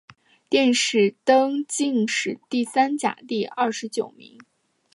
殿试登进士第三甲第九十二名。